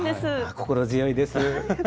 心強いです。